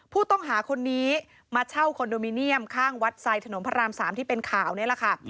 ผู้ต้องหาคนนี้มาเช่าคอนโดมิเนียมข้างวัดไซดถนนพระราม๓ที่เป็นข่าวนี่แหละค่ะ